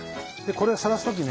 これさらす時ね